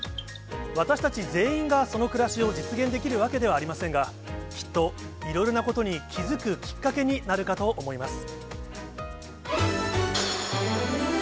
私たち全員がその暮らしを実現できるわけではありませんが、きっといろいろなことに気付くきっかけになるかと思います。